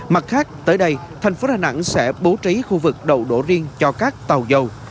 mặt khác tới đây thành phố đà nẵng sẽ bố trí khu vực đậu đổ riêng cho các tàu dầu